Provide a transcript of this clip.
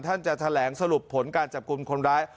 จะแถลงสรุปผลการจับกลุ่มคนร้าย